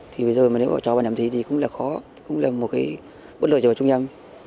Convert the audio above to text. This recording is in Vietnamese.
thì bây giờ mà nếu mà cho bạn em thi thì cũng là khó cũng là một cái bất lợi cho trung nhâm